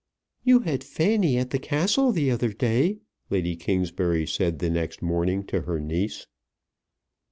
"You had Fanny at the Castle the other day," Lady Kingsbury said the next morning to her niece.